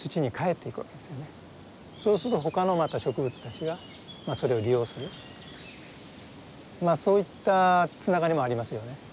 そうすると他のまた植物たちがそれを利用するそういったつながりもありますよね。